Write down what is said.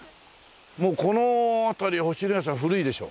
もうこの辺り星のやさん古いでしょ？